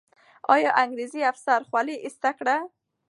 آیا انګریزي افسر خولۍ ایسته کړه؟